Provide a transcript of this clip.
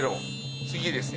次ですね